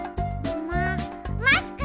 ママスク！